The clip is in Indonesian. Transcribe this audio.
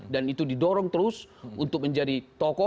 dan itu didorong terus untuk menjadi toko